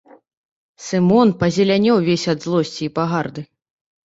Сымон пазелянеў увесь ад злосці і пагарды.